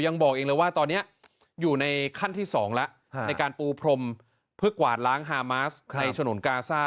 ยังบอกเองเลยว่าตอนนี้อยู่ในขั้นที่๒แล้วในการปูพรมเพื่อกวาดล้างฮามาสในฉนวนกาซ่า